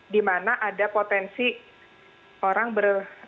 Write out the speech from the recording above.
dimana ada potensi orang ber